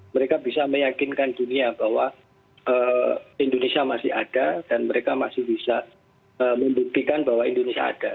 mereka bisa meyakinkan dunia bahwa indonesia masih ada dan mereka masih bisa membuktikan bahwa indonesia ada